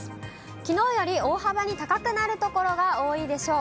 きのうより大幅に高くなる所が多いでしょう。